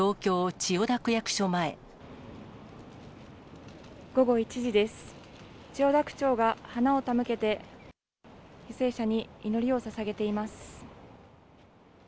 千代田区長が花を手向けて、犠牲者に祈りをささげています。